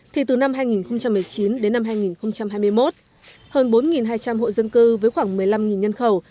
thì từ năm hai nghìn một mươi chín đến năm hai nghìn hai mươi một hơn bốn hai trăm linh hộ dân cư với khoảng một mươi năm nhân khẩu